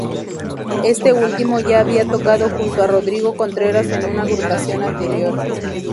Este último ya había tocado junto a Rodrigo Contreras en una agrupación anterior.